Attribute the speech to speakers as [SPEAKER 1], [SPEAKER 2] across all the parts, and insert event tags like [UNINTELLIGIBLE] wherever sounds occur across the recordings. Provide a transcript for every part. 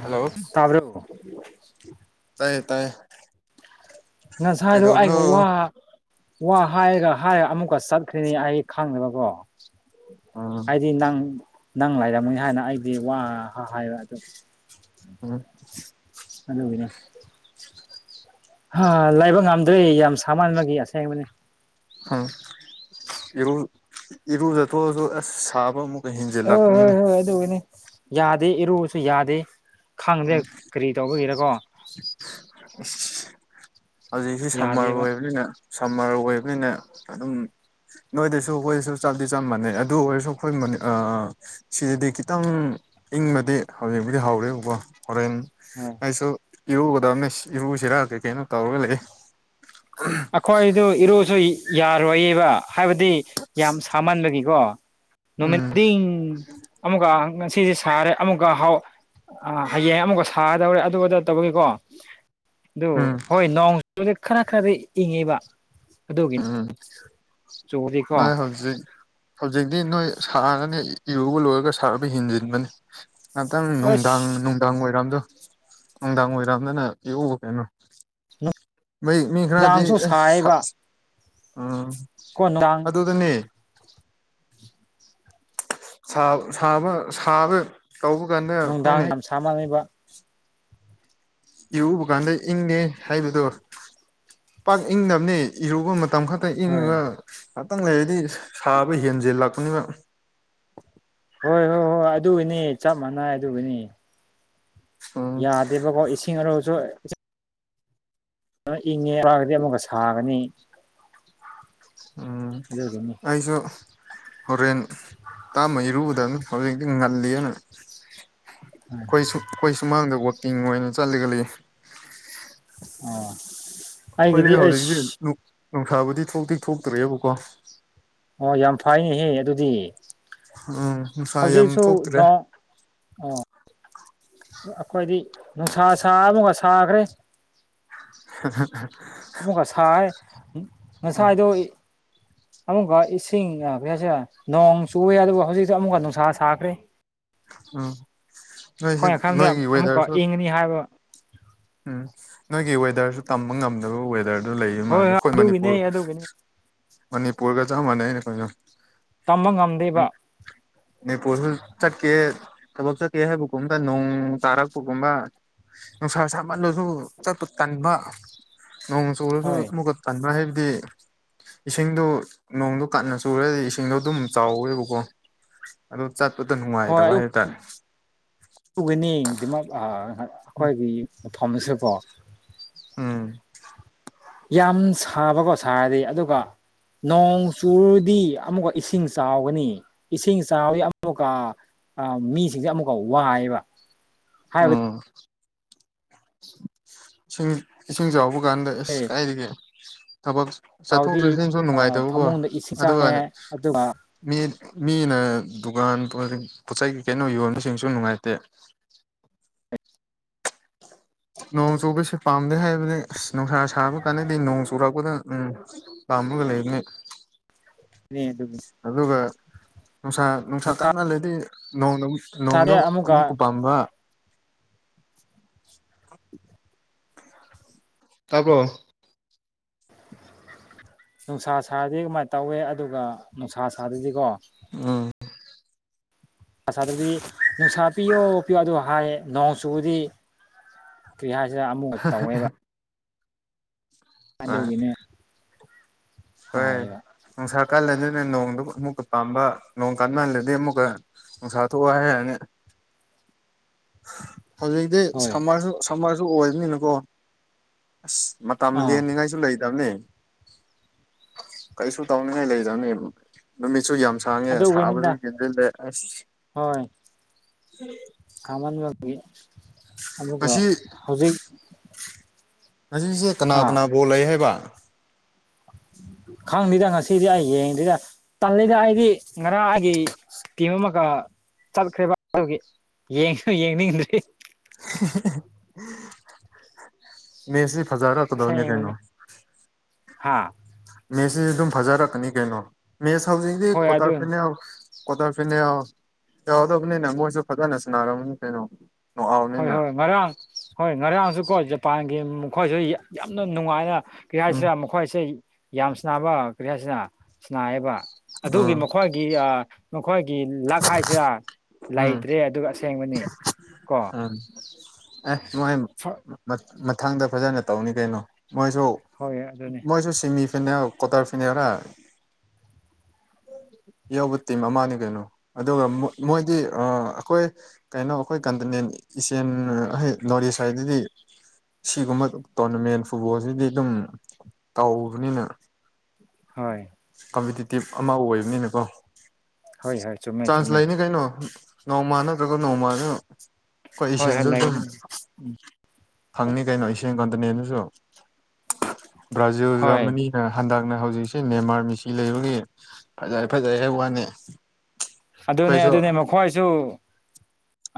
[SPEAKER 1] hello
[SPEAKER 2] ꯇꯥꯕꯔꯣ
[SPEAKER 1] ꯇꯥꯏ
[SPEAKER 2] ꯉꯁꯥꯏꯗꯨꯣ ꯑꯩꯒ ꯋꯥ ꯋꯥ ꯍꯥꯏꯔꯒ ꯍꯥꯏꯔꯒ ꯑꯃꯨꯛꯀ ꯆꯠꯈ꯭ꯔꯤꯅꯤ ꯑꯩ ꯈꯪꯉꯦꯕꯀꯣ
[SPEAKER 1] ꯎꯝ
[SPEAKER 2] ꯍꯥꯏꯗꯤ ꯅꯪ ꯅꯪ ꯂꯩꯥꯏꯔꯝꯃꯅꯤ ꯍꯥꯏꯅ ꯑꯩꯗꯤ ꯋꯥ ꯍꯥꯏꯕ ꯑꯗꯨ
[SPEAKER 1] ꯎꯝ
[SPEAKER 2] ꯍꯗꯅꯦ ꯑ ꯂꯥꯏꯕ ꯉꯝꯗꯣꯏꯦ ꯌꯥꯝ ꯁꯃꯟꯕꯒꯤ ꯑꯁꯦꯡꯕꯅꯤ
[SPEAKER 1] ꯑ ꯏꯔꯨ ꯏꯔꯨꯜꯖꯇꯁꯨ ꯑꯁ ꯁꯥꯕ ꯑꯃꯨꯛ
[SPEAKER 2] ꯍꯣꯏ ꯍꯣꯏ
[SPEAKER 1] ꯍꯦꯟꯖꯤꯜꯂꯛꯄꯅꯤꯅꯦ
[SPEAKER 2] ꯍꯣꯏ ꯑꯗꯨꯒꯤꯅꯤ ꯌꯥꯗꯦ ꯏꯔꯨꯕꯁꯨ ꯌꯥꯗꯦ ꯈꯥꯡꯕꯅ ꯀꯔꯤ ꯇꯧꯕꯒꯤꯔꯀꯣ
[SPEAKER 1] ꯍꯧꯖꯤꯛ ꯁꯤ ꯁꯝꯃꯔꯔꯕ
[SPEAKER 2] ꯌꯥꯗꯦꯕ
[SPEAKER 1] ꯍꯥꯏꯕꯅꯤꯅ ꯁꯝꯃꯔ ꯑꯣꯏꯕꯅꯤꯅ ꯑꯗꯨꯝ ꯅꯣꯏꯗꯁꯨ ꯑꯩꯈꯣꯏꯗꯁꯨ ꯆꯞꯗꯤ ꯆꯝꯕꯅꯦ ꯑꯗꯨ ꯑꯣꯏꯔꯁꯨ ꯑꯩꯈꯣꯏ ꯁꯤꯗꯗꯤ ꯈꯤꯇꯪ ꯏꯪꯃꯗꯤ ꯍꯧꯖꯤꯛꯕꯨꯗꯤ ꯍꯧꯥꯎꯔꯦꯕꯀꯣ ꯍꯣꯔꯦꯟ
[SPEAKER 2] ꯍꯣꯏ
[SPEAKER 1] ꯑꯩꯁꯨ ꯏꯔꯨꯒꯗꯕꯅꯦ ꯏꯔꯨꯁꯤꯔ ꯀꯦ ꯀꯩꯅꯣ ꯇꯧꯔꯒ ꯂꯩ
[SPEAKER 2] ꯑꯩꯈꯣꯏꯗꯨ ꯏꯔꯨꯁꯨ ꯌꯥꯔꯣꯏꯌꯦꯕ ꯍꯥꯏꯕꯗꯤ ꯌꯥꯝ ꯁꯥꯃꯟꯕꯒꯤꯀꯣ ꯅꯨꯃꯤ
[SPEAKER 1] ꯎꯝ
[SPEAKER 2] ꯑꯃꯨꯛꯀ ꯉ ꯁꯤ ꯁꯥꯔꯦ ꯑꯃꯨꯛꯀ ꯍꯥꯎ ꯍꯌꯦꯡ ꯑꯃꯨꯛꯀ ꯁꯥꯗꯧꯔꯦ ꯑꯗꯨꯗ ꯇꯧꯕꯒꯤꯀꯣ ꯑꯗꯨ
[SPEAKER 1] ꯎꯝ
[SPEAKER 2] ꯍꯣꯏ ꯅꯣꯡꯗꯤ ꯈꯔ ꯈꯔꯗꯤ ꯏꯪꯉꯤꯕ
[SPEAKER 1] ꯎꯝ ꯅꯣꯏ
[SPEAKER 2] ꯑꯁ
[SPEAKER 1] ꯍꯧꯖꯤꯛ ꯍꯧꯖꯤꯛꯇꯤ ꯅꯣꯏ ꯁꯥꯔꯅꯤ ꯏꯔꯨꯕ ꯂꯣꯏꯔꯒ ꯁꯥꯔꯒ ꯍꯦꯟꯖꯤꯟꯕꯅꯤ ꯉꯥꯛꯇꯪ ꯅꯨꯡꯗꯥꯡ ꯅꯨꯡꯗꯥꯡ ꯑꯣꯏꯔꯝꯗꯣ ꯅꯨꯡꯗꯥꯡ ꯑꯣꯏꯏꯔꯝꯗꯅ ꯌꯦꯎꯕ ꯀꯩꯅꯣ ꯩ ꯃꯤ
[SPEAKER 2] ꯅꯨꯡꯗꯥꯡꯁꯨ
[SPEAKER 1] ꯈꯔꯗꯤꯁ
[SPEAKER 2] ꯁꯥꯏꯌꯦꯕ
[SPEAKER 1] ꯎ
[SPEAKER 2] ꯀꯣ ꯅꯨꯡꯗꯥꯡ
[SPEAKER 1] ꯑꯗꯨꯗꯅꯦ ꯁꯥꯕ ꯁꯥꯕ ꯁꯥꯕ ꯀꯥꯎꯕꯨ ꯀꯥꯟꯗ
[SPEAKER 2] ꯅꯨꯡꯗꯥꯡ
[SPEAKER 1] ꯈꯃꯣꯏꯅꯩ
[SPEAKER 2] ꯌꯥꯝ ꯁꯥꯃꯜꯂꯦꯕ
[SPEAKER 1] ꯏꯔꯨꯕ ꯀꯥꯟꯗ ꯏꯪꯉꯦ ꯍꯥꯏꯕꯗꯣ ꯄꯥꯛ ꯏꯪꯅꯕꯅꯦ ꯏꯔꯨ ꯑꯩꯈꯣꯏ ꯃꯇꯝ ꯈꯛꯇ
[SPEAKER 2] ꯍꯣꯏ
[SPEAKER 1] ꯏꯪꯉꯒ ꯉꯍꯥꯛꯇꯪ ꯂꯩꯔꯗꯤ ꯁꯥꯕ ꯍꯦꯟꯖꯦꯜꯂꯛꯄꯅꯤꯅ
[SPEAKER 2] ꯍꯣꯏ ꯍꯣꯏ ꯍꯣꯏ ꯑꯗꯨꯒꯤꯅꯤ ꯆꯞ ꯃꯥꯟꯅꯩ ꯑꯗꯨꯒꯤꯅꯤ
[SPEAKER 1] ꯎꯝ
[SPEAKER 2] ꯌꯥꯗꯦꯕꯀꯣ ꯏꯁꯤꯡ ꯑꯔꯨꯁꯨ ꯏꯪꯉꯦ ꯍꯥꯏꯔꯒꯗꯤ ꯑꯃꯨꯛꯀ ꯁꯥꯒꯅꯤ
[SPEAKER 1] ꯎꯝ
[SPEAKER 2] ꯑꯗꯨꯒꯤꯅꯤ
[SPEAKER 1] ꯑꯩꯁꯨꯣ ꯍꯣꯔꯦꯟ ꯇꯥꯃ ꯏꯔꯨꯕꯗ ꯑꯗꯨꯝ ꯍꯧꯖꯤꯛꯇꯤ ꯉꯜꯂꯤꯅ ꯑꯩꯈꯣꯏ ꯁ ꯑꯩꯈꯣꯏ ꯁꯨꯃꯥꯡꯗ ꯋꯀꯤꯡ ꯑꯣꯏꯅ ꯆꯠꯂꯒ ꯂꯩ
[SPEAKER 2] [UNINTELLIGIBLE]
[SPEAKER 1] ꯑꯩꯈꯣꯏꯗꯤ ꯍꯧꯖꯤꯛꯁꯤꯦ
[SPEAKER 2] ꯑꯩꯁ
[SPEAKER 1] ꯅꯨꯡꯁꯥꯕꯨꯗꯤ ꯊꯣꯛꯇꯤ ꯊꯣꯛꯇ꯭ꯔꯦꯕꯀꯣ
[SPEAKER 2] ꯑꯣ ꯌꯥꯝ ꯐꯩꯅꯦꯍꯦ ꯑꯗꯨꯗꯤ
[SPEAKER 1] ꯎꯝ ꯅꯨꯡꯁꯥ ꯌꯥꯝ
[SPEAKER 2] ꯍꯧꯖꯤꯛꯁꯨ
[SPEAKER 1] ꯊꯣꯛꯇ꯭ꯔꯦ
[SPEAKER 2] ꯅꯣꯡ ꯑꯣ ꯑꯩꯈꯣꯏꯗꯤ ꯅꯨꯡꯁꯥ ꯁꯥ ꯑꯃꯒ ꯁꯥꯈ꯭ꯔꯦ ꯉꯁꯥꯏ
[SPEAKER 1] ꯎꯝ
[SPEAKER 2] ꯉꯁꯥꯏꯗ ꯑꯃꯨꯛꯀ ꯏꯁꯤꯡ ꯀ ꯍꯥꯏꯁꯦ ꯅꯣꯡ ꯆꯨꯏꯦ ꯑꯗꯨꯕꯨ ꯍꯧꯖꯤꯛꯇꯛꯇ ꯑꯃꯨꯛꯀ ꯅꯨꯡꯁꯥ ꯁꯥꯈ꯭ꯔꯦ
[SPEAKER 1] ꯎꯝ ꯅꯣꯏꯁꯤ
[SPEAKER 2] ꯑꯩꯈꯣꯏꯅ ꯈꯟꯕꯗ
[SPEAKER 1] ꯅꯣꯏꯒꯤ
[SPEAKER 2] ꯑꯃꯨꯛꯀ
[SPEAKER 1] ꯋꯦꯗꯔꯁꯨ
[SPEAKER 2] ꯏꯪꯒꯅꯤ ꯍꯥꯏꯕ
[SPEAKER 1] ꯎꯝ ꯅꯣꯏꯒꯤ ꯋꯦꯗꯔꯁꯨ ꯇꯝꯕ ꯉꯝꯗꯕꯋ ꯔꯗꯨ ꯂꯩ ꯃꯥꯦ
[SPEAKER 2] ꯍꯣꯏ ꯍꯣꯏ
[SPEAKER 1] ꯑꯩꯈꯣꯏ
[SPEAKER 2] ꯑꯗꯨꯒꯤꯅꯤ
[SPEAKER 1] ꯃꯅꯤꯄꯨꯔ
[SPEAKER 2] ꯑꯗꯨꯒꯤꯅꯤ
[SPEAKER 1] ꯃꯅꯤꯄꯨꯔꯒ ꯆꯞ ꯃꯥꯟꯅꯩ ꯑꯩꯅ
[SPEAKER 2] ꯇꯝꯕ ꯉꯝꯗꯦꯕ
[SPEAKER 1] ꯑꯩꯈꯣꯏꯅꯣ ꯄꯁꯨꯝ ꯆꯠ ꯀꯦ ꯊꯕꯛ ꯆꯠꯀꯦ ꯍꯥꯏꯕꯒꯨꯝꯇ ꯅꯣꯡ ꯇꯥꯔꯛꯄꯒꯨꯝꯕ ꯅꯨꯡꯁꯥ ꯁꯥꯥꯕ ꯃꯜꯂꯁꯨ ꯆꯠꯄ ꯇꯟꯥꯟꯕ ꯅꯣꯡ ꯆꯨꯨꯔꯁꯨ
[SPEAKER 2] ꯍꯣꯏ
[SPEAKER 1] ꯑꯃꯨꯛꯀ ꯇꯟꯥꯟꯕ ꯍꯥꯏꯕꯗꯤ ꯏꯁꯤꯡꯗꯣ ꯅꯣꯡꯗꯣ ꯀꯟꯅ ꯆꯨꯔꯗꯤ ꯏꯁꯤꯡꯗꯣ ꯑꯗꯨꯝ ꯆꯥꯎꯋꯦꯕꯀꯣ ꯑꯣ
[SPEAKER 2] ꯍꯣꯏ ꯑꯗꯨꯗꯤ ꯑꯩꯈꯣꯏꯒꯤꯐꯝꯁꯤꯕꯣ
[SPEAKER 1] ꯎꯝ
[SPEAKER 2] ꯌꯥꯝ ꯁꯥꯕꯀꯣ ꯁꯥꯔꯗꯤ ꯑꯗꯨꯒ ꯅꯣꯡ ꯆꯨꯔꯗꯤ ꯑꯃꯨꯛꯀ ꯏꯁꯤꯡ ꯆꯥꯎꯒꯅꯤ ꯏꯁꯤꯡ ꯆꯥꯎꯗꯤ ꯑꯃꯨꯛꯀ ꯑ ꯃꯤꯁꯤꯡꯁꯦ ꯑꯃꯨꯛꯀꯥꯎ ꯋꯥꯏꯑꯕ
[SPEAKER 1] ꯎꯝꯁꯤꯡ ꯏꯁꯤꯡꯖꯥꯎꯕ ꯒꯥꯟꯗꯁ ꯀꯥꯏꯔꯤꯒꯦ ꯊꯕꯛ ꯆꯠꯊꯣꯛ
[SPEAKER 2] ꯆꯥꯎꯔꯗꯤ
[SPEAKER 1] ꯆꯠꯁꯤꯟꯁꯨ ꯅꯨꯡꯉꯥꯏꯇꯕꯀꯣ
[SPEAKER 2] ꯐꯃꯨꯡꯗ ꯏꯁꯤꯡ
[SPEAKER 1] ꯑꯗꯨꯒ
[SPEAKER 2] ꯆꯪꯉꯦ ꯑꯗꯨꯒ
[SPEAKER 1] ꯃꯤ ꯃꯤꯅ ꯗꯨꯀꯥꯟ ꯄꯣꯠ ꯆꯩꯒꯤ ꯀꯩꯅꯣ ꯌꯣꯟꯕꯁꯤꯡꯁꯨ ꯅꯨꯡꯉꯥꯏꯇꯦ ꯅꯣꯡ ꯆꯨꯕꯁꯦ ꯄꯥꯝꯗꯦ ꯍꯥꯏꯕꯅꯤ ꯑꯁ ꯅꯨꯡꯁꯥ ꯁꯥꯕ ꯀꯥꯟꯗꯗꯤ ꯅꯣꯡ ꯆꯨꯔꯛꯄꯗ ꯎꯝ ꯂꯝꯃꯨꯒ ꯂꯩꯅꯦ
[SPEAKER 2] [UNINTELLIGIBLE] ꯑꯗꯨꯃꯤ
[SPEAKER 1] ꯅꯨꯡꯁꯥ ꯅꯨꯡꯁꯥ ꯀꯥꯅꯍꯜꯂꯗꯤ ꯅꯣꯡ ꯅꯣꯡꯗ ꯑꯃꯨꯛꯀ ꯄꯥꯝꯕ
[SPEAKER 2] [UNINTELLIGIBLE]
[SPEAKER 1] ꯇꯄꯣ
[SPEAKER 2] ꯅꯨꯡꯁꯥ ꯁꯥꯔꯗꯤ ꯀꯃꯥꯏꯅ ꯇꯧꯋꯦ ꯑꯗꯨꯒ ꯅꯨꯡꯁꯥ ꯁꯥꯗꯗꯤꯀꯣ
[SPEAKER 1] ꯎꯝ
[SPEAKER 2] ꯁꯥꯗꯗꯤ ꯅꯨꯡꯁꯥ ꯄꯤꯌꯣ ꯄꯄꯤꯌꯣ ꯑꯗꯨ ꯍꯥꯏꯌꯦ ꯅꯣꯡ ꯆꯨꯕꯗꯤ ꯁꯨꯔꯤ ꯍꯥꯏꯁꯤꯗ ꯑꯃꯨꯛꯀ ꯇꯧꯋꯦꯕ
[SPEAKER 1] ꯍꯣꯏ
[SPEAKER 2] ꯑꯗꯒꯤꯅꯦ
[SPEAKER 1] ꯍꯣꯏ ꯅꯨꯡꯁꯥ ꯀꯜꯂ ꯑꯗꯨꯅ ꯅꯣꯡꯅꯤ ꯑꯗꯨꯝ ꯑꯃꯨꯛꯀ ꯄꯥꯝꯕ ꯅꯣꯡ ꯀꯥꯟ ꯃꯜꯂꯗꯤ ꯑꯃꯨꯛꯀ ꯅꯨꯡꯁꯥ ꯊꯣꯛꯑꯣ ꯍꯥꯏꯔꯅꯤ
[SPEAKER 2] [UNINTELLIGIBLE]
[SPEAKER 1] ꯍꯧꯖꯤꯛꯇꯤ
[SPEAKER 2] ꯍꯣꯏ
[SPEAKER 1] ꯁꯝꯃꯔꯁꯨ ꯁꯝꯃꯔꯁꯨ ꯑꯣꯏꯕꯅꯤꯅꯀꯣ ꯑꯁ ꯃꯇꯝ
[SPEAKER 2] ꯑꯥ
[SPEAKER 1] ꯂꯦꯟꯅꯤꯡꯉꯥꯏꯁꯨ ꯂꯩꯇꯕꯅꯤ ꯀꯩꯁꯨ ꯇꯧꯅꯤꯡꯉꯥꯏ ꯂꯩꯖꯅꯤ ꯅꯨꯃꯤ ꯁꯨꯨ ꯌꯥꯝ ꯁꯥꯡꯉꯦ ꯁꯥꯕꯁꯨ
[SPEAKER 2] ꯑꯗꯨꯒꯤꯅꯤꯗ
[SPEAKER 1] ꯍꯦꯟꯖꯤꯜꯂꯦ ꯑꯁ
[SPEAKER 2] ꯁꯥꯃꯅ ꯑꯕꯀ
[SPEAKER 1] ꯉꯁꯤ
[SPEAKER 2] ꯍꯧꯖꯤꯛ
[SPEAKER 1] ꯉꯖꯤꯛꯁꯦ ꯀꯅꯥ
[SPEAKER 2] ꯑꯥ
[SPEAKER 1] ꯀꯅꯥ ꯕꯣꯜ ꯂꯩ ꯍꯥꯏꯕ
[SPEAKER 2] ꯈꯪꯗꯦꯗ ꯉꯁꯤꯗꯤ ꯑꯩ ꯌꯦꯡꯗꯗ ꯇꯜꯂꯤꯗ ꯑꯩꯗꯤ ꯉꯔꯥꯡꯒꯤ ꯇꯤꯝ ꯑꯃꯒ ꯆꯠꯈ꯭ꯔꯦꯕ ꯑꯗꯨꯒꯤ ꯌꯦꯡ ꯌꯦꯡꯅꯤꯡꯗ꯭ꯔꯤ
[SPEAKER 1] ꯃꯁꯤ ꯍꯖꯥꯔꯥ ꯇꯗꯧꯅꯦ ꯀꯩꯅꯣ
[SPEAKER 2] ꯍꯥꯥ
[SPEAKER 1] ꯃꯦꯠꯁꯁꯤ ꯑꯗꯨꯝ ꯐꯖꯔꯛꯀꯅꯤ ꯀꯩꯅꯣ ꯃꯦꯠꯁ ꯍꯧꯖꯤꯛꯇꯤ
[SPEAKER 2] ꯍꯣꯏ
[SPEAKER 1] ꯀ꯭ꯣꯇꯥꯔ
[SPEAKER 2] ꯑꯗꯨ
[SPEAKER 1] ꯐꯅꯦꯜ ꯀꯣꯇꯔ ꯐꯤꯅꯦ ꯌꯥꯎꯗꯕꯅꯤꯅꯦ ꯃꯣꯏꯁꯨ ꯐꯖꯅ ꯁꯅꯔꯝꯕꯅꯤ ꯀꯩꯅꯣ
[SPEAKER 2] ꯍꯣꯏ
[SPEAKER 1] ꯅꯣꯛꯑꯥꯎꯠꯅꯤꯅ
[SPEAKER 2] ꯍꯣꯏ ꯉꯔꯥꯡ ꯍꯣꯏ ꯉꯔꯥꯡꯁꯨꯀꯣ ꯖꯄꯥꯟꯒꯤ ꯃꯈꯣꯏꯁꯨ ꯌꯥꯝꯅ ꯅꯨꯡꯉꯥꯏꯅ
[SPEAKER 1] ꯎꯝ
[SPEAKER 2] ꯀ꯭ꯔꯤꯍꯔꯁꯤꯗ ꯃꯈꯣꯏꯁꯦ ꯌꯥꯝ ꯁ ꯅꯥꯕ ꯀ꯭ꯔꯤꯍꯁꯤꯅ ꯁꯤꯅꯥꯏꯌꯦꯕ ꯑꯗꯨꯒꯤ
[SPEAKER 1] ꯎꯝ
[SPEAKER 2] ꯃꯈꯣꯏꯒꯤ ꯃꯈꯣꯏꯒꯤ ꯂꯛ ꯍꯥꯏꯁꯤꯦ
[SPEAKER 1] ꯎꯝ
[SPEAKER 2] ꯂꯩꯇ꯭ꯔꯦ ꯑꯗꯨꯒ ꯑꯁꯦꯡꯕꯅꯤ ꯀꯣ
[SPEAKER 1] ꯎꯝ ꯑꯦ ꯃꯣꯏ ꯃꯊꯪꯗ ꯐꯖꯅ ꯇꯧꯅꯤ ꯀꯩꯅꯣ ꯃꯁꯨ
[SPEAKER 2] ꯍꯣꯏ ꯑꯗꯨꯅꯤ
[SPEAKER 1] ꯃꯁꯨ ꯁꯤꯃꯤ ꯐꯤꯅ ꯀꯣꯇꯔ ꯐꯤꯅꯔ ꯌꯥꯎꯕ ꯇꯤꯝ ꯑꯃꯅꯤꯅꯦ ꯀꯩꯅꯣ ꯑꯗꯨꯒ ꯃꯣꯏ ꯗꯤ ꯑꯩꯈꯣꯏ ꯀꯩꯅꯣ ꯑꯩꯈꯣꯏ ꯀꯟꯇꯅꯦꯟ ꯏꯆꯦꯜ ꯅꯣꯔ ꯏꯁ ꯍꯥꯏꯗꯗꯤ ꯁꯤꯒꯨꯝꯕ ꯇꯣꯔꯅꯃꯦꯟ ꯐꯨꯠꯕꯣꯜꯁꯤꯗꯤ ꯑꯗꯨꯝ ꯇꯥꯎꯕꯅꯤꯅ
[SPEAKER 2] ꯍꯣꯏ
[SPEAKER 1] ꯀꯝꯄꯤꯇꯤꯇꯤꯞ ꯑꯃ ꯑꯣꯏꯕꯅꯤꯅꯀꯣ
[SPEAKER 2] ꯍꯣꯏ ꯍꯣꯏ ꯆꯨꯝꯃꯦ
[SPEAKER 1] ꯆꯥꯟꯁ
[SPEAKER 2] ꯆꯨꯝꯃꯦ
[SPEAKER 1] ꯂꯩꯅꯤ ꯀꯩꯅꯣ ꯅꯧꯃꯅ ꯇꯒꯣ ꯅꯧꯃꯅ ꯍꯣꯏ ꯏꯁꯤꯡꯁꯨ ꯑꯗꯨꯝ ꯐꯪꯅꯤ ꯀꯩꯅꯣ ꯏ ꯀ ꯑꯗꯨꯅꯦꯅꯁꯨ ꯕ꯭ꯔꯥꯖꯤꯜ
[SPEAKER 2] ꯍꯣꯏ
[SPEAKER 1] ꯖꯔꯃꯅꯤꯅ ꯍꯟꯗꯛꯅ ꯍꯧꯖꯤꯛꯁꯤ ꯅꯃꯥꯔꯃꯤꯁꯤ ꯂꯩꯕꯒꯤ ꯐꯖꯩ ꯐꯖꯩ ꯍꯥꯏ ꯋꯥꯅꯤ
[SPEAKER 2] ꯑꯗꯨꯅꯦ
[SPEAKER 1] ꯑꯩꯈꯣꯏꯁꯨ
[SPEAKER 2] ꯑꯗꯨꯅꯦ ꯃꯈꯣꯏꯁꯨ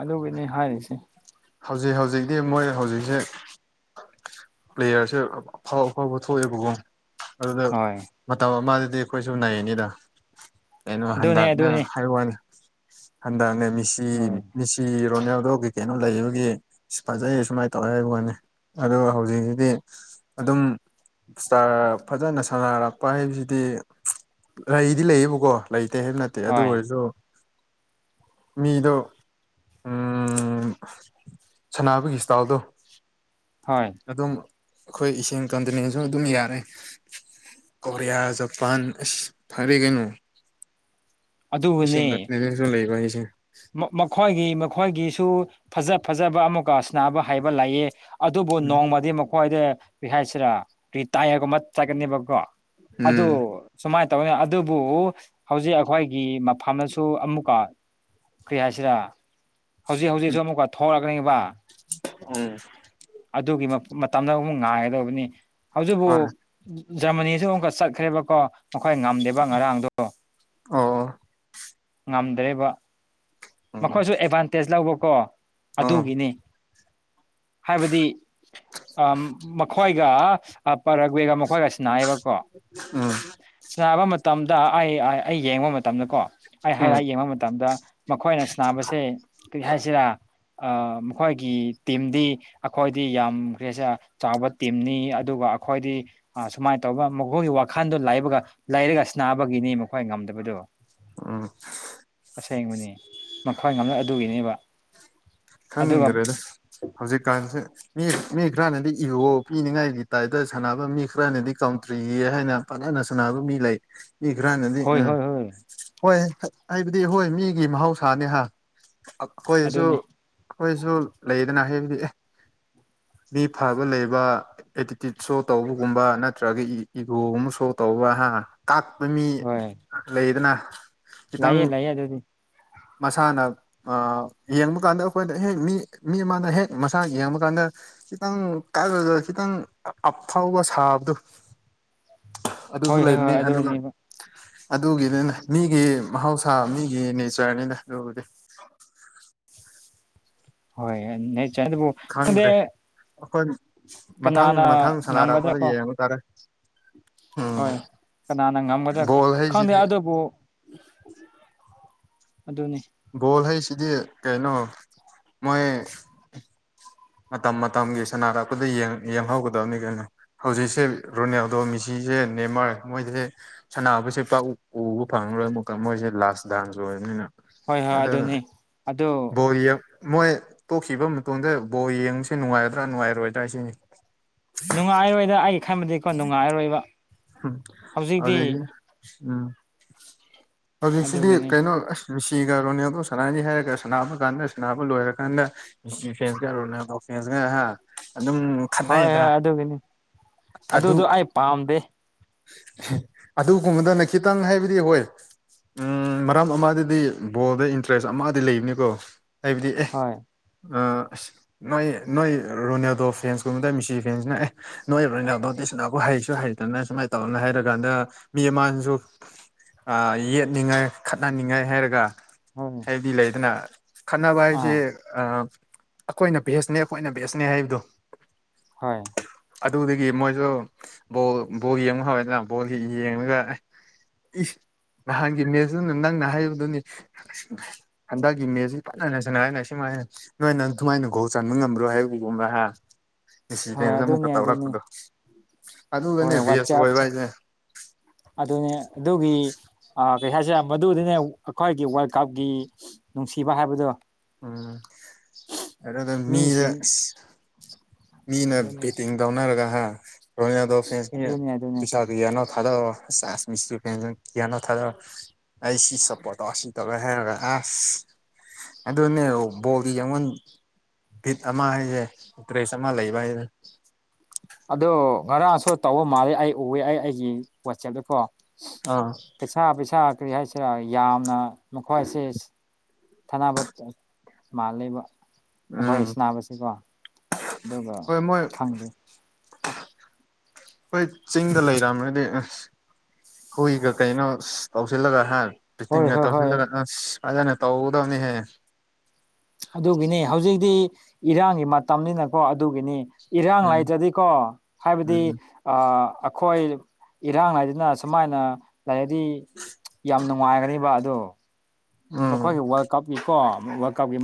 [SPEAKER 2] ꯑꯗꯨꯒꯤꯅꯤ ꯍꯥꯏꯔꯤꯁꯦ
[SPEAKER 1] ꯍꯧꯖꯤꯛ ꯍꯧꯖꯤꯛꯇꯤ ꯃꯣꯏ ꯍꯧꯖꯤꯛꯁꯦ ꯄ꯭ꯂꯦꯌꯔꯁꯦ ꯑꯐꯥꯎ ꯑꯐꯥꯎꯕ ꯊꯣꯛꯑꯦꯕꯀꯣ ꯑꯗꯨꯗ
[SPEAKER 2] ꯍꯣꯏ
[SPEAKER 1] ꯃꯇꯝ ꯑꯃꯗꯗꯤ ꯑꯩꯈꯣꯏꯁꯨ ꯅꯩꯅꯌꯦꯅꯤꯗ ꯀꯩꯅꯣ
[SPEAKER 2] ꯑꯗꯨꯅꯦ
[SPEAKER 1] ꯍꯟꯗꯛꯅ
[SPEAKER 2] ꯑꯗꯨꯅꯤ
[SPEAKER 1] ꯍꯥꯏꯔ ꯍꯟꯗꯛꯅꯁꯤ
[SPEAKER 2] ꯍꯣꯏ
[SPEAKER 1] ꯃꯤꯁꯤ ꯣꯗ ꯀꯩ ꯀꯩꯅꯣ ꯂꯩꯕ ꯐꯖꯩ ꯁꯨꯃꯥꯏꯅ ꯇꯧꯔꯦ ꯍꯥꯏꯕ ꯋꯥꯅꯤ ꯑꯗ ꯍꯧꯖꯤꯛꯁꯤꯗꯤ ꯑꯗꯨꯝ ꯐꯖꯅ ꯁꯥꯟꯅꯔꯛꯄ ꯍꯥꯏꯕꯁꯤꯗꯤ ꯂꯩꯗꯤ ꯂꯩꯌꯦꯕꯀꯣ ꯂꯩ ꯅꯠꯇꯦ ꯍꯥꯏꯕ ꯅꯠꯇꯦ ꯑꯗꯨ
[SPEAKER 2] ꯍꯣꯏ
[SPEAKER 1] ꯑꯣꯏꯔꯁꯨ ꯃꯤꯗꯣ ꯎꯝ ꯁꯅꯥꯅꯕꯒꯤ ꯏꯁꯇꯥꯜꯗꯣ
[SPEAKER 2] ꯍꯣꯏ
[SPEAKER 1] ꯑꯗꯨꯝ ꯑꯩꯈꯣꯏ ꯏꯁꯤꯡ ꯀꯟꯗꯅꯦꯁꯨ ꯑꯗꯨꯝ ꯌꯥꯔꯦ ꯀꯣꯔꯤꯌꯥ ꯖꯄꯥꯟ ꯐꯔꯤꯒꯅꯨ
[SPEAKER 2] ꯑꯗꯨꯕꯨꯅꯤ ꯃꯈꯣꯏꯒꯤ ꯃꯈꯣꯏꯒꯤ ꯁꯨ ꯐꯖ ꯐꯖꯕ ꯑꯃꯒꯁꯅꯥꯕ ꯍꯥꯏꯕ ꯂꯥꯛꯑꯦ ꯑꯗꯨꯕꯨ ꯅꯣꯡꯃꯗꯤ ꯍꯣꯏꯗ ꯍꯥꯏꯁꯤꯔꯥ ꯔꯤ ꯇꯌꯔꯒꯨꯝꯕ ꯆꯠꯀꯅꯦꯕꯀꯣ ꯑꯗꯨ
[SPEAKER 1] ꯎꯝ
[SPEAKER 2] ꯁꯨꯃꯥꯏꯅ ꯇ ꯑꯗꯨꯕꯨ ꯍꯧꯖꯤꯛ ꯍꯋꯥꯣꯏꯒꯤ ꯃꯐꯝꯅꯁꯨ ꯑꯃꯨꯛꯀ ꯀꯔꯤ ꯍꯥꯏꯁꯤꯔ ꯍꯧꯖꯤꯛ ꯍꯧꯖꯤꯛꯁꯨ ꯑꯃꯨꯛꯀ ꯊꯣꯛꯂꯛꯀꯅꯤꯕ
[SPEAKER 1] ꯎꯝ
[SPEAKER 2] ꯑꯗꯨꯒꯤ ꯃꯇꯝꯗ ꯑꯃꯨꯛ ꯉꯥꯏꯒꯗꯧꯕꯅꯤ ꯍꯧꯖꯤꯛꯕꯨ
[SPEAKER 1] ꯍꯣꯏ
[SPEAKER 2] ꯖꯔꯃꯅꯤꯁꯨ ꯑꯃꯨꯛꯀ ꯆꯠꯈ꯭ꯔꯦꯕꯀꯣ ꯃꯈꯣꯏ ꯉꯝꯗꯦꯕ ꯉꯔꯥꯡꯗꯣ
[SPEAKER 1] ꯑꯣ
[SPEAKER 2] ꯉꯝꯗ꯭ꯔꯦꯕ
[SPEAKER 1] ꯎꯝ
[SPEAKER 2] ꯃꯈꯣꯏꯁꯨ ꯑꯦꯗꯚꯥꯟꯇꯦꯖ ꯂꯧꯕꯀꯣ
[SPEAKER 1] ꯑꯥ
[SPEAKER 2] ꯑꯗꯨꯒꯤꯅꯤ ꯍꯥꯏꯕꯗꯤ ꯃꯈꯣꯏ ꯔꯒꯋꯦꯒ ꯃꯈꯣꯏꯒ ꯁꯤꯟꯅꯌꯦꯕꯀꯣ
[SPEAKER 1] ꯎꯝ
[SPEAKER 2] ꯁꯤꯕ ꯃꯇꯝꯗ ꯗ ꯑꯩ ꯑꯩ ꯌꯦꯡꯕ ꯃꯇꯝꯗ ꯀꯣ ꯑꯩ ꯍꯥꯏꯔ
[SPEAKER 1] ꯎꯝ
[SPEAKER 2] ꯌꯦꯡꯕ ꯃꯇꯝꯗ ꯑꯩꯈꯣꯏꯅ ꯁꯅꯥꯕꯁꯦ ꯀꯔꯤ ꯍꯥꯏꯁꯤꯔꯥ ꯃꯈꯣꯏꯒꯤ ꯇꯤꯝꯗꯤ ꯑꯩꯈꯣꯏꯗꯤ ꯌꯥꯝꯦ ꯆꯥꯎꯕ ꯇꯤꯝꯅꯤ ꯑꯗꯨꯒ ꯑꯩꯈꯣꯏꯗꯤ ꯁꯨꯃꯥꯏꯅ ꯇꯧꯕ ꯃꯈꯣꯏꯒꯤ ꯋꯥꯈꯜꯗꯣꯕꯒ ꯂꯩꯔꯒ ꯅꯥꯕꯒꯤꯅꯤ ꯃꯈꯣꯏ ꯉꯝꯗꯕꯗꯣ
[SPEAKER 1] ꯎꯝ
[SPEAKER 2] ꯁꯦꯡꯕꯅꯦ ꯃꯈꯣꯏ ꯉꯝꯂ ꯑꯗꯨꯒꯤꯅꯦꯕ ꯑꯗꯨꯒ
[SPEAKER 1] ꯈꯪꯗ꯭ꯔꯦꯗ ꯍꯧꯖꯤꯛꯀꯥꯟꯁꯦ ꯃꯤ ꯃꯤ ꯈꯔꯅꯗꯤ ꯏꯒꯣ ꯄꯤꯅꯤꯡꯉꯥꯏꯒꯤ ꯇꯥꯏꯞꯇ ꯁꯥꯟꯅꯕ ꯃꯤ ꯈꯔꯅꯗꯤ ꯀꯥꯎꯟꯇ꯭ꯔꯤꯒꯤꯅꯤ ꯍꯥꯏꯅ ꯐꯅ ꯅ ꯁꯅꯕ ꯃꯤ ꯂꯩ ꯃꯤ ꯈ꯭ꯔꯅꯗꯤ
[SPEAKER 2] ꯍꯣꯏ
[SPEAKER 1] ꯎꯝ
[SPEAKER 2] ꯍꯣꯏ ꯍꯣꯏ
[SPEAKER 1] ꯍꯣꯏ ꯍꯥꯏꯕꯗꯤ ꯍꯣꯏ ꯃꯤꯒꯤ ꯃꯍꯧꯁꯥꯅꯦ ꯍꯥ ꯑꯩꯈꯣꯏꯁꯨ
[SPEAKER 2] ꯑꯗꯨꯅꯤ
[SPEAKER 1] ꯑꯩꯈꯣꯏꯁꯨ ꯂꯩꯗꯅ ꯍꯥꯏꯕꯗꯤ
[SPEAKER 2] ꯭꯭꯭
[SPEAKER 1] ꯃꯤ ꯐꯕ ꯂꯩꯕ ꯑꯦꯇꯤꯇ꯭ꯌꯨꯠ ꯁꯣ ꯇꯧꯕꯒꯨꯝꯕ ꯅꯠꯇ꯭ꯔꯒ ꯏꯒꯣꯒꯨꯝꯕ ꯁꯣ ꯇꯧꯕ ꯍꯥ ꯑ ꯇꯥꯛꯄ ꯃꯤ ꯂꯩꯗꯅ ꯈꯤꯇꯪ
[SPEAKER 2] ꯂꯥꯏꯌꯦ ꯂꯩꯌꯦ ꯑꯗꯨꯗꯤ
[SPEAKER 1] ꯃꯁꯥꯅ ꯑ ꯌꯦꯡꯕ ꯀꯥꯟꯗ ꯑꯩꯈꯣꯏꯗ ꯍꯦꯛ ꯃꯤ ꯃꯤ ꯑꯃꯅ ꯍꯦꯛ ꯃꯁꯥ ꯌꯦꯡꯕ ꯀꯥꯟꯗ ꯈꯤꯇꯪ ꯀꯛꯂꯒ ꯈꯤꯇꯪ ꯑ ꯑ ꯐꯥꯎꯕ ꯁꯥꯕꯗꯨ
[SPEAKER 2] ꯭
[SPEAKER 1] ꯑꯗꯨꯁꯨ ꯂꯩꯕꯅꯤ ꯑꯗꯨꯒ ꯑꯗꯨꯒꯤꯅꯤꯅꯦ ꯃꯤꯒꯤ ꯃꯍꯧꯁꯥ ꯃꯤꯒꯤ ꯅꯦꯆꯔꯅꯤꯗ ꯑꯗꯨꯕꯨꯗꯤ
[SPEAKER 2] ꯐꯤꯁ ꯍꯣꯏ ꯅꯦꯆꯔ ꯑꯗꯨꯕꯨ ꯈꯪꯗꯦ
[SPEAKER 1] ꯑꯈꯣꯏꯅꯤ
[SPEAKER 2] ꯀꯅꯥꯅ ꯉꯝꯒꯗ꯭ꯔꯥ ꯀꯣ
[SPEAKER 1] ꯇꯥꯔꯦ ꯎꯝ
[SPEAKER 2] ꯍꯣꯏ ꯀꯅꯥꯅ ꯉꯝꯒꯗ꯭ꯔꯥ
[SPEAKER 1] ꯕꯣꯜ
[SPEAKER 2] ꯈꯪꯗꯦ
[SPEAKER 1] ꯍꯩꯁꯤꯗꯤ
[SPEAKER 2] ꯑꯗꯨꯕꯨ ꯑꯗꯨꯅꯤ
[SPEAKER 1] ꯒꯣꯜ ꯍꯥꯏꯁꯤꯗꯤ ꯀꯩꯅꯣ ꯃꯣꯏ ꯃꯇꯝ ꯃꯇꯝꯒꯤ ꯁꯅꯔꯛꯄꯗ ꯌꯦꯡ ꯌꯦꯡꯍꯧꯒꯗꯕꯅꯤ ꯀꯩꯅꯣ ꯍꯧꯖꯤꯛꯁꯦ ꯔꯣꯅꯦꯜꯗꯣ ꯃꯦꯁꯤ ꯁꯤꯁꯦ ꯅꯦꯝꯃꯥꯔ ꯃꯣꯏꯁꯦ ꯁꯅꯥꯕꯁꯦ ꯄꯥꯛ ꯎꯕ ꯐꯪꯔꯔꯣꯏ ꯑꯃꯨꯛꯀ ꯃꯣꯏꯁꯦ ꯂꯥꯁ ꯗꯥꯟꯁ ꯑꯣꯏꯕꯅꯤꯅ
[SPEAKER 2] ꯍꯣꯏ ꯍꯣꯏ
[SPEAKER 1] ꯑꯗꯨꯅ
[SPEAKER 2] ꯑꯗꯨꯅꯤ ꯑꯗꯨ
[SPEAKER 1] ꯕꯣꯜ ꯌꯦꯡ ꯃꯣꯏ ꯇꯣꯛꯈꯤꯕ ꯃꯇꯨꯡꯗ ꯕꯣꯜ ꯌꯦꯡꯕꯁꯦ ꯅꯨꯡꯉꯥꯏꯗ꯭ꯔꯥ ꯅꯨꯡꯉꯥꯏꯔꯣꯏꯗ꯭ꯔꯥ ꯍꯥꯏꯁꯤꯅꯤ
[SPEAKER 2] ꯅꯨꯡꯉꯥꯏꯔꯣꯏꯗ ꯑꯩ ꯈꯟꯕꯗꯤꯀꯣ ꯅꯨꯡꯉꯥꯏꯔꯣꯏꯕ
[SPEAKER 1] ꯎꯝ
[SPEAKER 2] ꯍꯧꯖꯤꯛꯇꯤ
[SPEAKER 1] ꯑꯗꯨꯗꯒꯤ ꯎꯝ ꯑꯗꯨꯁꯤꯗꯤ
[SPEAKER 2] ꯑꯗꯨꯒꯤꯅꯤ
[SPEAKER 1] ꯀꯩꯅꯣ ꯑꯁ ꯃꯦꯁꯤꯒ ꯔꯣꯅꯦꯜꯗꯣꯒ ꯁꯅꯥꯒꯅꯤ ꯍꯥꯏꯔꯒ ꯁꯥꯟꯅꯕ ꯀꯥꯟꯗ ꯁꯅꯥꯕ ꯂꯣꯏꯔꯀꯥꯟꯗ ꯃꯦꯁꯤ ꯐꯦꯟꯁꯀ ꯔꯣꯅꯥꯜꯗꯣ ꯐꯦꯟꯁꯀ ꯑꯗꯨꯝ
[SPEAKER 2] ꯍꯣꯏ
[SPEAKER 1] ꯈꯠꯅꯩꯗꯅꯥ
[SPEAKER 2] ꯍꯣꯏ ꯑꯗꯨꯒꯤꯅꯤ
[SPEAKER 1] ꯑꯗꯨ
[SPEAKER 2] ꯑꯗꯨꯗꯣ ꯑꯩ ꯄꯥꯝꯗꯦ
[SPEAKER 1] ꯑꯗꯨꯒꯨꯝꯕꯗꯨꯅ ꯈꯤꯇꯪ ꯍꯥꯏꯕꯗꯤ ꯍꯣꯏ ꯎꯝ ꯃꯔꯝ ꯑꯃꯨꯗꯗꯤ ꯕꯣꯜꯗ ꯏꯟꯇꯔꯦꯁ ꯑꯃꯗꯤ ꯂꯩꯕꯅꯤꯀꯣ ꯍꯥꯏꯕꯗꯤ ꯑꯦ
[SPEAKER 2] ꯍꯣꯏ
[SPEAKER 1] ꯑ ꯑꯁ ꯅꯣꯏ ꯅꯣꯏ ꯔꯣꯅꯦꯜꯗꯣ ꯐꯦꯟꯁꯀꯨꯝꯕꯗ ꯃꯤꯁꯤ ꯐꯦꯟꯁꯅ ꯑꯦ ꯅꯣꯏ ꯔꯣꯅꯦꯜꯗꯣꯗꯤ ꯁꯤꯅꯥꯕꯨ ꯍꯩꯁꯨ ꯍꯩ ꯐꯅ ꯁꯨꯃꯥꯏꯅ ꯇꯧꯔꯅꯨ ꯍꯥꯏꯔꯀꯥꯟꯗ ꯃꯤ ꯑꯃꯅꯁꯨ ꯑ ꯌꯦꯠꯅꯤꯡꯉꯥꯏ ꯈꯠꯍꯟꯅꯤꯡꯉꯥꯏ ꯍꯥꯏꯔꯒ
[SPEAKER 2] ꯍꯣꯏ
[SPEAKER 1] ꯍꯥꯏꯗꯤ ꯂꯩꯗꯅ ꯈꯠꯅꯕ ꯍꯥꯏꯁꯦ
[SPEAKER 2] ꯑꯥ
[SPEAKER 1] ꯑ ꯑꯩꯈꯣꯏꯅ ꯚꯦꯁꯅꯦ ꯑꯩꯈꯣꯏꯅ ꯚꯦꯁꯅꯦ ꯍꯥꯏꯕꯗꯨ
[SPEAKER 2] ꯍꯣꯏ
[SPEAKER 1] ꯑꯗꯨꯗꯒꯤ ꯃꯣꯏꯁꯨ ꯕꯣꯜ ꯕꯣꯜ ꯌꯦꯡꯕ ꯍꯧꯔꯦꯗꯅ ꯕꯣꯜ ꯌꯦꯡꯉꯒ ꯑꯦꯍ ꯏꯁ ꯅꯍꯥꯟꯒꯤ ꯃꯦꯠꯁꯇꯨꯅ ꯅꯪꯅ ꯍꯥꯏꯕꯗꯨꯅꯤ ꯍꯟꯗꯛꯀꯤ ꯃꯦꯠꯁꯁꯤꯗꯤ ꯐꯅꯩꯅ ꯁꯥꯟꯅꯔꯅꯤ ꯍꯥꯏꯅ ꯁꯤꯃ ꯅꯣꯏꯅ ꯗꯨꯃꯥꯏꯅ ꯒꯣꯜ ꯆꯟꯕ ꯉꯝꯕ꯭ꯔꯣ ꯍꯥꯏꯕꯒꯨꯝꯕ ꯍꯥꯏ
[SPEAKER 2] ꯍꯣꯏ
[SPEAKER 1] ꯏꯁꯤꯚꯦꯟꯁꯁꯦ ꯑꯃꯨꯛꯀ
[SPEAKER 2] ꯑꯗꯨꯅꯤ ꯑꯗꯨꯅꯤ
[SPEAKER 1] ꯇꯧꯔꯛꯄꯗꯣ ꯑꯗꯨꯒꯅꯦ
[SPEAKER 2] ꯍꯣꯏ
[SPEAKER 1] ꯚꯦꯁ
[SPEAKER 2] ꯋꯥꯆꯦꯞ
[SPEAKER 1] ꯑꯣꯏꯕ ꯍꯥꯏꯁꯦ
[SPEAKER 2] ꯑꯗꯨꯅꯦ ꯑꯗꯨꯒꯤ ꯑ ꯀꯩ ꯍꯥꯏꯁꯤꯔꯥ ꯃꯗꯨꯗꯤꯅꯦ ꯑꯩꯈꯣꯏꯒꯤ ꯋꯥꯔꯜ ꯀꯞꯀꯤ ꯅꯨꯡꯁꯤꯕ ꯍꯥꯏꯕꯗꯣ
[SPEAKER 1] ꯎꯝ ꯃꯤꯗ
[SPEAKER 2] ꯃꯤꯁꯤꯡ
[SPEAKER 1] ꯃꯤꯅ
[SPEAKER 2] ꯑꯗꯨꯅꯦ
[SPEAKER 1] ꯕꯦꯇꯤꯡ ꯇꯧꯅꯔꯒ ꯍꯥ ꯔꯣꯅꯥꯜꯗꯣ ꯐꯦꯟꯁꯈꯩꯅ
[SPEAKER 2] ꯑꯗꯨꯅꯦ ꯑꯗꯨꯅꯦ
[SPEAKER 1] ꯄꯩꯁꯥꯗꯨ ꯌꯦꯡꯉ ꯊꯥꯗꯕꯋꯥꯅꯦ [UNINTELLIGIBLE]
[SPEAKER 2] ꯭ [INAUDIBLE]
[SPEAKER 1] ꯑꯗꯨꯅꯦ ꯕꯣꯗꯤ ꯑꯩꯡꯉꯟ ꯚꯤꯠ ꯑꯃ ꯍꯥꯏꯁꯦ ꯇꯔꯦꯁ ꯑꯃ ꯂꯩꯕ ꯍꯥꯏꯁꯦ
[SPEAKER 2] ꯑꯗꯣ ꯉꯔꯥꯡꯁꯨ ꯇꯧꯕ ꯃꯥꯜꯂꯦ ꯑꯩ ꯎꯑꯦ ꯑꯩ ꯑꯩꯒꯤ ꯋꯥꯆꯦꯞꯇꯀꯣ
[SPEAKER 1] ꯑꯥ
[SPEAKER 2] ꯄꯩꯁꯥ ꯄꯩꯁꯥ ꯀꯔꯤ ꯍꯥꯏꯁꯦ ꯌꯥꯝꯅ ꯃꯈꯣꯏꯁꯦ ꯊꯅꯥꯅꯕ ꯃꯥꯜꯂꯕ ꯑꯩꯈꯣꯏ
[SPEAKER 1] ꯎꯝ
[SPEAKER 2] ꯅꯥꯕꯁꯤꯀꯣ ꯑꯗꯨꯒ
[SPEAKER 1] ꯍꯣꯏ ꯃꯣꯏ
[SPEAKER 2] ꯈꯪꯗꯦ
[SPEAKER 1] ꯍꯣꯏ ꯆꯤꯡꯗ ꯂꯩꯔꯝ꯭ꯔꯗꯤ ꯑꯁ ꯍꯨꯏꯒ ꯀꯩꯅꯣ ꯇꯧꯁꯤꯜꯂꯒ ꯍꯥꯏꯥꯟ
[SPEAKER 2] ꯍꯣꯏ
[SPEAKER 1] ꯇꯤꯡꯒ
[SPEAKER 2] ꯍꯣꯏ ꯍꯣꯏ
[SPEAKER 1] ꯇꯧꯁꯤꯜꯂꯒ ꯑꯁ ꯐꯖꯅ ꯇꯧꯒꯗꯕꯅꯤꯍꯦ
[SPEAKER 2] ꯑꯗꯨꯒꯤꯅꯤ ꯍꯧꯖꯤꯛꯇꯤ ꯏꯔꯥꯡꯒꯤ ꯃꯇꯝꯅꯤꯅꯀꯣ ꯑꯗꯨꯒꯤꯅꯤ ꯏꯔꯥꯡ
[SPEAKER 1] ꯎꯝ
[SPEAKER 2] ꯂꯥꯏꯇ꯭ꯔꯗꯤꯀꯣ ꯍꯥꯏꯕꯗꯤ
[SPEAKER 1] ꯎꯝ
[SPEAKER 2] ꯑ ꯑꯩꯈꯣꯏ ꯏꯔꯥꯡ ꯍꯥꯏꯗꯨꯅ ꯁꯨꯃꯥꯏꯅ ꯂꯩꯥꯏꯛꯗꯤ ꯌꯥꯝ ꯅꯨꯡꯉꯥꯏꯒꯅꯦꯕ ꯑꯗ
[SPEAKER 1] ꯎꯝ
[SPEAKER 2] ꯃꯈꯣꯏꯒꯤ ꯋꯥꯔꯜ ꯀꯞꯀꯤꯀꯣ ꯋꯥꯔꯜ ꯀꯞꯀꯤ